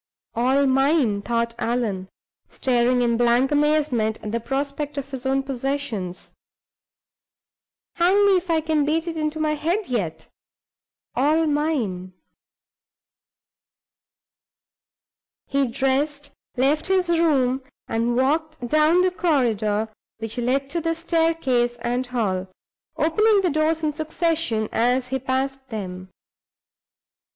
"All mine!" thought Allan, staring in blank amazement at the prospect of his own possessions. "Hang me if I can beat it into my head yet. All mine!" He dressed, left his room, and walked along the corridor which led to the staircase and hall, opening the doors in succession as he passed them.